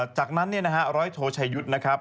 จากนั้นร้อยโทชายุทธ์นะครับ